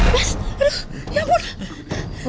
mas aduh ya ampun